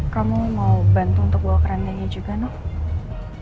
kamu mau bantu untuk bawa kerandanya juga nok